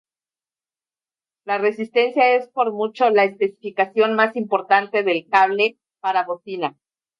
La resistencia es por mucho la especificación más importante del cable para bocina.